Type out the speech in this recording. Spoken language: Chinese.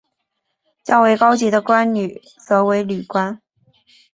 较为高级的宫女则称为女官。